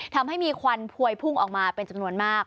ทำให้มีควันพวยพุ่งออกมาเป็นจำนวนมาก